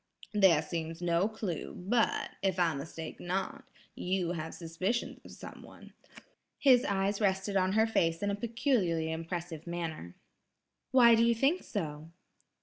There seems no clue; but, if I mistake not, you have suspicions of someone." His eyes rested on her face in a peculiarly impressive manner. "Why do you think so?"